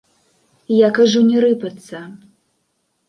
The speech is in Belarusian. Я кажу, не рыпацца.